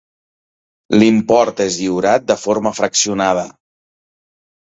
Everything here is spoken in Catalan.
L'import és lliurat de forma fraccionada.